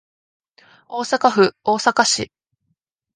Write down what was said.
大阪府大阪市